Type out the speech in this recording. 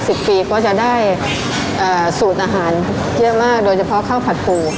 สิบปีก็จะได้เอ่อสูตรอาหารเยอะมากโดยเฉพาะข้าวผัดปู